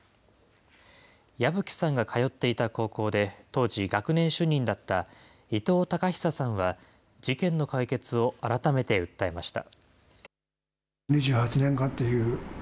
矢吹さんが通っていた高校で、当時、学年主任だった伊藤孝久さんは事件の解決を改めて訴えました。